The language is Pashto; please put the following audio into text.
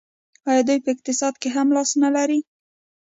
آیا دوی په اقتصاد کې هم لاس نلري؟